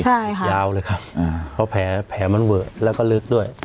ใช่ค่ะยาวเลยครับอ่าเพราะแผลแผลมันเวิร์ดแล้วก็ลึกด้วย